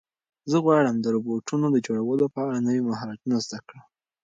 زه غواړم د روبوټونو د جوړولو په اړه نوي مهارتونه زده کړم.